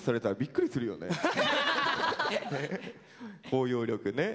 「包容力」ね。